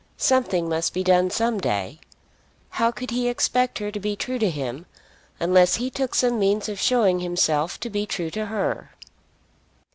Something must be done some day. How could he expect her to be true to him unless he took some means of showing himself to be true to her?